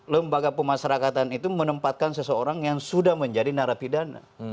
lembaga pemasyarakatan itu menempatkan seseorang yang sudah menjadi narapidana